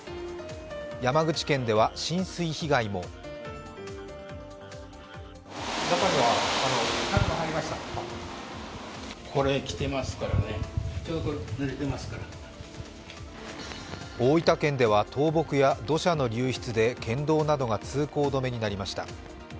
山口県では浸水被害も大分県では倒木や土砂の流出で県道などが通行止めになりました。